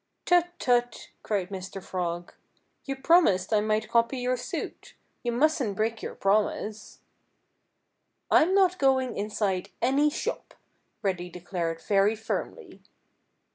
"Tut! Tut!" cried Mr. Frog. "You promised I might copy your suit. You mustn't break your promise." "I'm not going inside any shop," Reddy declared very firmly.